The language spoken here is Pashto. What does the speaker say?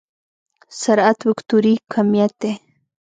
سرعت وکتوري کميت دی.